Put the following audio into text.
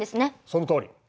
そのとおり。